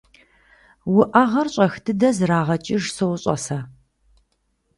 - Уӏэгъэр щӏэх дыдэ зэрагъэкӏыж сощӏэ сэ.